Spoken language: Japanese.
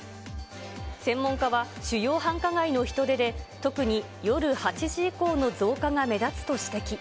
専門家は、主要繁華街の人出で、特に夜８時以降の増加が目立つと指摘。